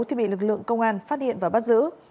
thì bị lực lượng công an phát hiện và bắt giữ